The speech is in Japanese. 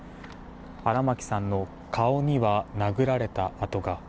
荒牧さんの顔には殴られた痕が。